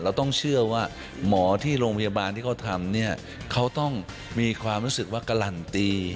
เราต้องเชื่อว่าหมอที่โรงพยาบาลที่เขาทำเนี่ยเขาต้องมีความรู้สึกว่ากะหลั่นตี